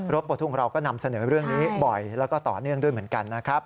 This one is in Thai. บททุ่งเราก็นำเสนอเรื่องนี้บ่อยแล้วก็ต่อเนื่องด้วยเหมือนกันนะครับ